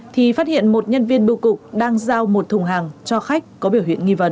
thì phát hiện một nhân viên bưu cục đang giao một thùng hàng cho khách có biểu hiện nghi vấn